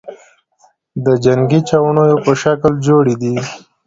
د جنگې چوڼیو په شکل جوړي دي،